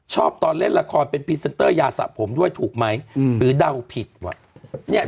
ชอบตอนเล่นละครเป็นพริเซนเตอร์ยาสะผมด้วยถูกไหมหรือเดาผิดแล้ว